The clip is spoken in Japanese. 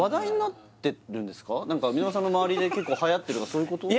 そんなの皆川さんの周りで結構はやってるとかそういうこと？